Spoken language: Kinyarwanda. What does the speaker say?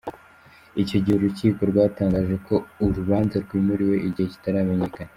Icyo gihe uru Rukiko rwatangaje ko urubanza rwimuriwe igihe kitaramenyakana.